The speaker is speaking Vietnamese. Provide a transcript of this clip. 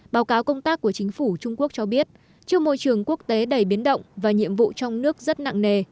báo cáo công tác của chính phủ trung quốc cho biết trước môi trường quốc tế đầy biến động và nhiệm vụ trong nước rất nặng nề